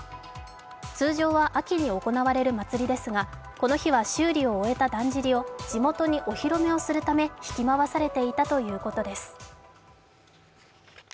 通常は秋に行われる祭りですがこの日は修理を終えただんじりを地元にお披露目をするため引き回されていたということです。